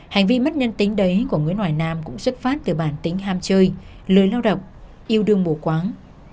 hành vi mất nhân tính đấy của nguyễn hoài nam cũng xuất phát từ bản tính ham chơi lưới lao động yêu đương bổ quáng